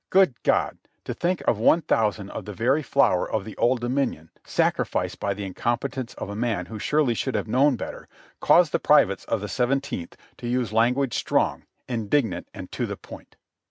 Good God ! to think of one thousand of the very flower of the Old Dominion sacrificed by the incompetence of a man who surely should have known better, caused the privates of the Sev enteenth to use language strong, indignant and to the point.